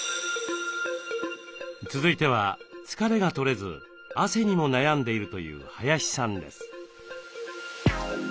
続いては疲れが取れず汗にも悩んでいるという林さんです。